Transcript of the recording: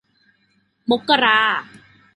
มกรา